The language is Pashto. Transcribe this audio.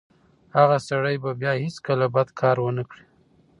هغه سړی به بیا هیڅکله بد کار ونه کړي.